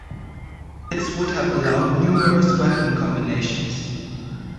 This would have allowed numerous weapon combinations.